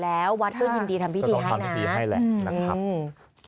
แล้ววัดต้องยินดีทำพิธีให้นะต้องทำพิธีให้แหละอืมนะครับ